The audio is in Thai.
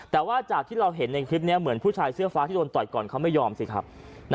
แต่ว่าจากที่เราเห็นในคลิปนี้เหมือนผู้ชายเสื้อฟ้าที่โดนต่อยก่อนเขาไม่ยอมสิครับ